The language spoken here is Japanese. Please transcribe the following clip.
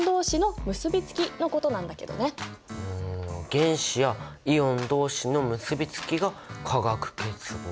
原子やイオンどうしの結びつきが化学結合。